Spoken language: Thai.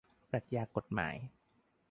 ปรัชญากฎหมาย